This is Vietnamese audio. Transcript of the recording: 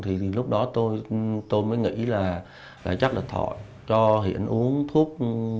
thì lúc đó tôi mới nghĩ là chắc là thọ cho hiện uống thuốc